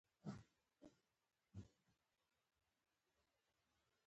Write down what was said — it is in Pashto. ښه پلورونکی تل د صداقت پلوی وي.